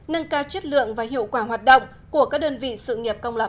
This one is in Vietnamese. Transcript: nâng cao chất lượng và hiệu quả hoạt động của các đơn vị sự nghiệp công lập